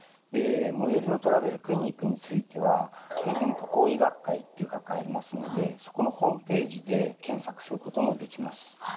最寄りのトラベルクリニックについては日本渡航医学会という学会ありますのでそこのホームページで検索することもできます。